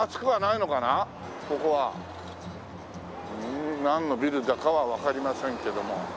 うーんなんのビルだかはわかりませんけども。